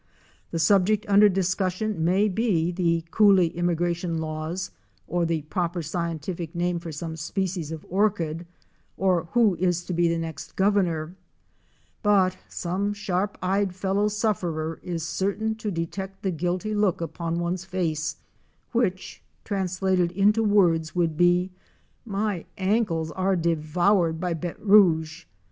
The subject under STEAMER AND LAUNCH TO HOORIE CREEK. 145 discussion may be the coolie immigration laws, or the proper scientific name for some species of orchid or who is to be the next Governor — but some sharp eyed fellow sufferer is certain to detect the guilty look upon one's face which trans lated into words would be " My ankles are devoured by béte rouge!